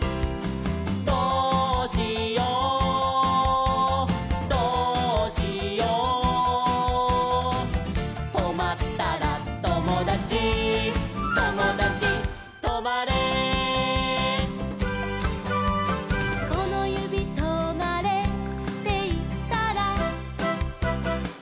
「どうしようどうしよう」「とまったらともだちともだちとまれ」「このゆびとまれっていったら」